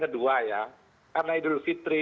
kedua ya karena idul fitri